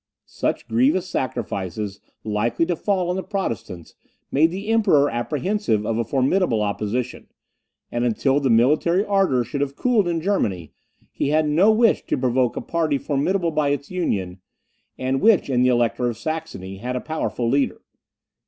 Such grievous sacrifices likely to fall on the Protestants, made the Emperor apprehensive of a formidable opposition; and until the military ardour should have cooled in Germany, he had no wish to provoke a party formidable by its union, and which in the Elector of Saxony had a powerful leader.